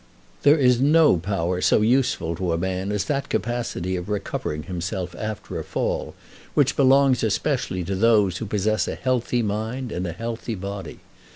There is no power so useful to man as that capacity of recovering himself after a fall, which belongs especially to those who possess a healthy mind in a healthy body.